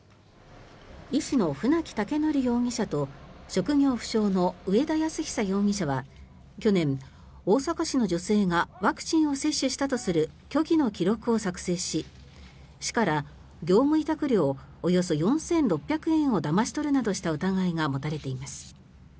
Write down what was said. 医師の船木威徳容疑者と職業不詳の上田泰久容疑者は去年大阪市の女性がワクチンを接種したとする虚偽の記録を作成し市から業務委託料およそ４６００円をだまし取るなどした疑いが持たれています。